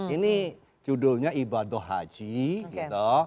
ini judulnya ibadah haji gitu